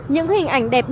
những hình ảnh đẹp nhất